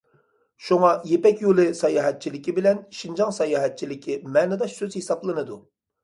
شۇڭا‹‹ يىپەك يولى›› ساياھەتچىلىكى بىلەن شىنجاڭ ساياھەتچىلىكى مەنىداش سۆز ھېسابلىنىدۇ.